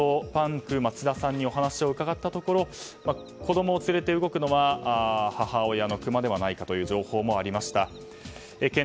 そして先ほど、パンク町田さんにお話を伺ったところ子供を連れて動くのは母親のクマではないかという情報もありました。